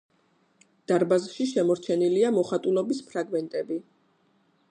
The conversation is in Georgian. დარბაზში შემორჩენილია მოხატულობის ფრაგმენტები.